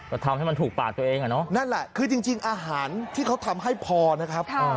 ก็ทำให้มันถูกปากตัวเองอ่ะเนอะนั่นแหละคือจริงอาหารที่เขาทำให้พอนะครับ